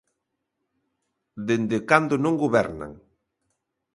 Dende cando non gobernan.